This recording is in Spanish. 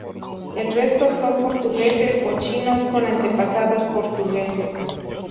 El resto son portugueses o chinos con antepasados portugueses.